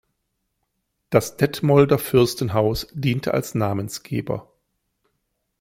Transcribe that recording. Das Detmolder Fürstenhaus diente als Namensgeber.